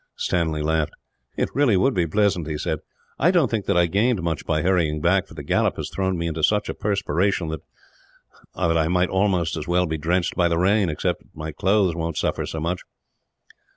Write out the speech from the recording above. Stanley laughed. "It really would be pleasant," he said. "I don't think that I gained much by hurrying back, for the gallop has thrown me into such a perspiration that I might almost as well be drenched by the rain, except that my clothes won't suffer so much."